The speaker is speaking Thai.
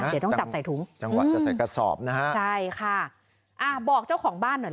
เดี๋ยวต้องจับใส่ถุงจังหวะจะใส่กระสอบนะฮะใช่ค่ะอ่าบอกเจ้าของบ้านหน่อย